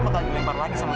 kalung aku mana ya